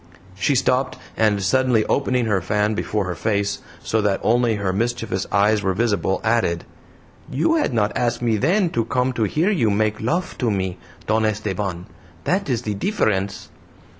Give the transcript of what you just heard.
She stopped, and suddenly opening her fan before her face, so that only her mischievous eyes were visible, added: "You had not asked me then to come to hear you make lof to me, Don Esteban. That is the difference."